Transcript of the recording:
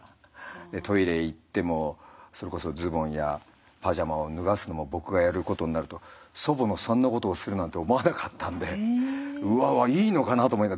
トイレ行ってもそれこそズボンやパジャマを脱がすのも僕がやることになると祖母のそんなことをするなんて思わなかったんでうわわいいのかなと思いながら。